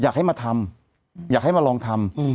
อยากให้มาทำอยากให้มาลองทำ